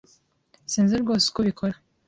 Sinzi rwose uko ubikora.